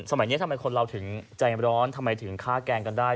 สมัยนี้ทำไมคนเราถึงใจร้อนทำไมถึงฆ่าแกล้งกันได้